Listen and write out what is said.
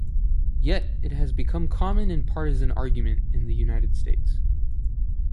Yet it has become common in partisan argument in the United States.